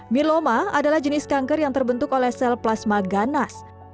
myloma adalah jenis kanker yang terbentuk oleh sel plasma ganas